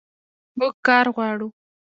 موږ کار غواړو